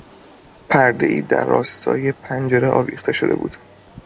پردهای در راستای پنجره آویخته شده بود.